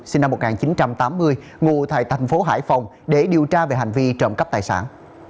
sinh năm một nghìn chín trăm tám mươi ngụ tại thành phố hải phòng để điều tra về hành vi trộm cắp tài sản